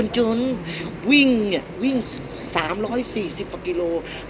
พี่อัดมาสองวันไม่มีใครรู้หรอก